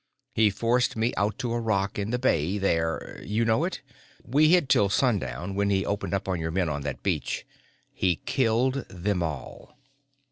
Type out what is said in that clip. He forced me out to a rock in the bay there you know it? We hid till sundown, when he opened up on your men on that beach. He killed them all.